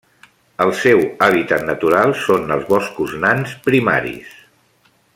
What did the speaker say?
El seu hàbitat natural són els boscos nans primaris.